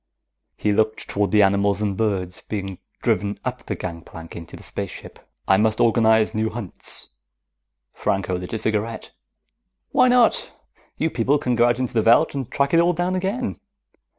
He looked toward the animals and birds being driven up the gangplank into the spaceship. "I must organize new hunts." Franco lit a cigarette. "Why not? You people can go out into the veldt and track it all down again.